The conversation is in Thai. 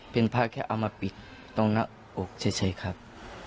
เป็นพระแค่เอามาปิดตรงหน้าอกเฉยครับ